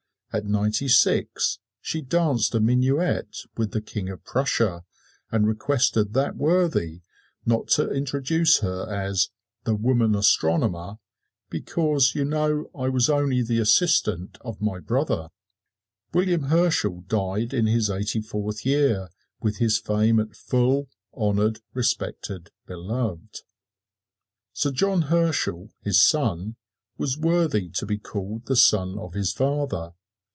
At ninety six she danced a minuet with the King of Prussia, and requested that worthy not to introduce her as "the woman astronomer, because, you know, I was only the assistant of my brother!" William Herschel died in his eighty fourth year, with his fame at full, honored, respected, beloved. Sir John Herschel, his son, was worthy to be called the son of his father.